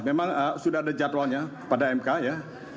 memang sudah ada jadwalnya pada mk ya